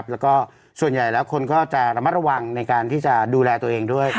แล้วก็ส่วนใหญ่แล้วคนก็จะระมัดระวังในการที่จะดูแลตัวเองด้วย